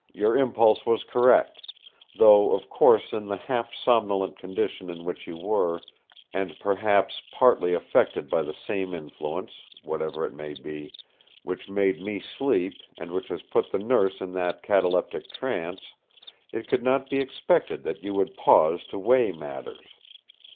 Your impulse was correct; though of course in the half somnolent condition in which you were, and perhaps partly affected by the same influence—whatever it may be—which made me sleep and which has put the Nurse in that cataleptic trance, it could not be expected that you would pause to weigh matters.